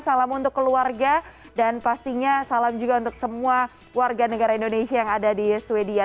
salam untuk keluarga dan pastinya salam juga untuk semua warga negara indonesia yang ada di sweden